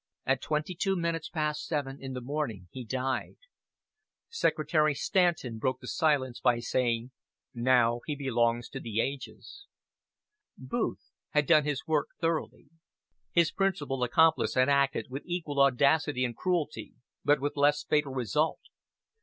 At twenty two minutes past seven in the morning he died. Secretary Stanton broke the silence by saying, "Now he belongs to the ages." Booth had done his work thoroughly. His principal accomplice had acted with equal audacity and cruelty, but with less fatal result.